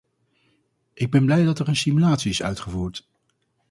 Ik ben blij dat er een simulatie is uitgevoerd.